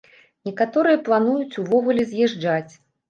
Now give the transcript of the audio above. Некаторыя плануюць увогуле з'язджаць.